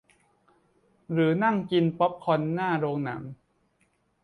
หรือนั่งกินป๊อปคอร์นหน้าโรงหนัง